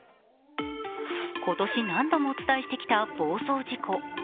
今年何度もお伝えしてきた暴走事故。